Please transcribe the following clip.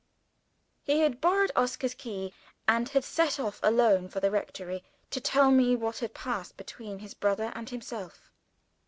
He had borrowed Oscar's key, and had set off alone for the rectory to tell me what had passed between his brother and himself.